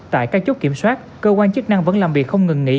tại các chốt kiểm soát cơ quan chức năng vẫn làm việc không ngừng nghỉ